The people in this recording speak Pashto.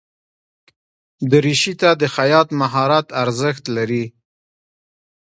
دریشي ته د خیاط مهارت ارزښت لري.